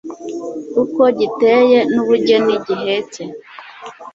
uko giteye n'ubugeni gihetse,